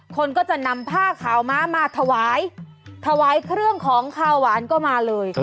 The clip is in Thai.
คนก็จะนำผ้าขาวม้ามาถวายถวายเครื่องของขาวหวานก็มาเลย